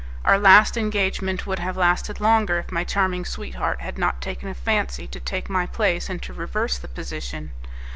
Our last engagement would have lasted longer, if my charming sweetheart had not taken a fancy to take my place and to reverse the position.